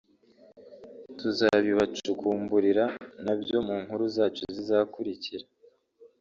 tuzabibacukumburira nabyo mu nkuru zacu zizakurikira